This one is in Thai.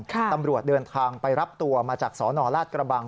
ตำรวจเดินทางไปรับตัวมาจากสนราชกระบัง